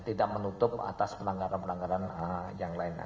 tidak menutup atas penangkaran penangkaran yang lainnya